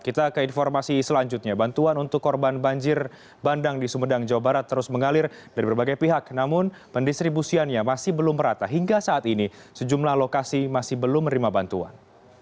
kita ke informasi selanjutnya bantuan untuk korban banjir bandang di sumedang jawa barat terus mengalir dari berbagai pihak namun pendistribusiannya masih belum merata hingga saat ini sejumlah lokasi masih belum menerima bantuan